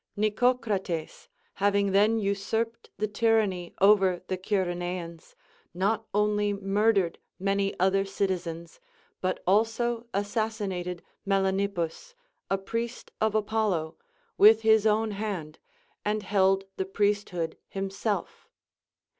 * IS^icocrates, having then usurped the tyranny over the Cyrenaeans, not only murdered many other citizens, but also assassinated Mela nippus, a priest of Apollo, with his ΟΛνη hand, and held the priesthood himself.